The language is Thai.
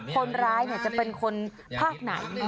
คนร้ายจะเป็นคนภาคไหน